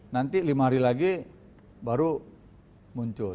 nanti lima hari lagi baru muncul